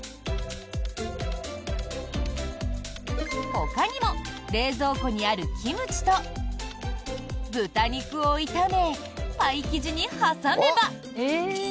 ほかにも冷蔵庫にあるキムチと豚肉を炒めパイ生地に挟めば。